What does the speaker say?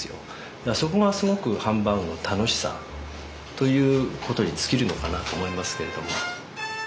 だからそこがすごくハンバーグの楽しさということに尽きるのかなと思いますけれども。